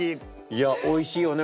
いやおいしいよね